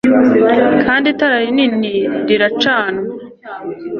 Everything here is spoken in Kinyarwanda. Kandi itara rinini riracanwa